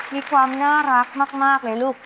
มีความน่ารักมากเลยลูก